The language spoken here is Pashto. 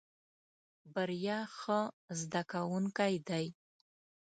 بريا ښه زده کوونکی دی.